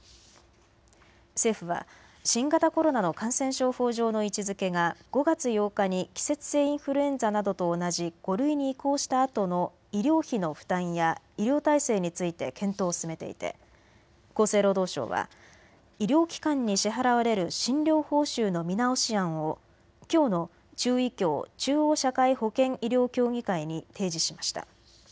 政府は新型コロナの感染症法上の位置づけが５月８日に季節性インフルエンザなどと同じ５類に移行したあとの医療費の負担や医療体制について検討を進めていて厚生労働省は医療機関に支払われる診療報酬の見直し案をきょうの中医協・中央社会保険医療協議会に提示しました。